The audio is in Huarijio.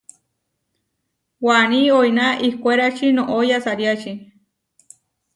Waní oiná ihkwérači noʼó yasariáči.